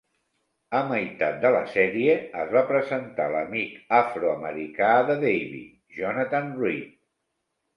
A meitat de la sèrie, es va presentar l'amic afroamericà de Davey, Jonathan Reed.